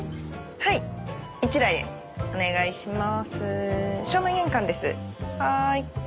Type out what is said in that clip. はいお願いします。